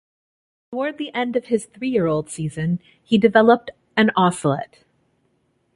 Toward the end of his three-year-old season, he developed an osselet.